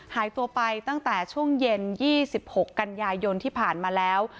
หายตัวไปตั้งแต่ช่วงเย็น๒๖กันยายนที่ผ่านมาแล้ว